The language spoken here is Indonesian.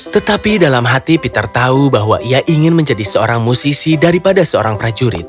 tetapi dalam hati peter tahu bahwa ia ingin menjadi seorang musisi daripada seorang prajurit